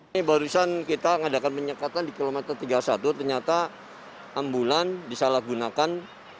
tapi digunakan untuk pribadi itu yang sangat disayangkan